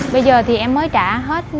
bây giờ thì em mới trả hết